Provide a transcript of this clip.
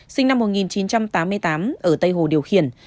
sinh năm một nghìn chín trăm tám mươi tám ở tây hồ điều khiển